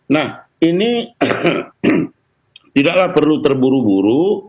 nah ini tidaklah perlu terburu buru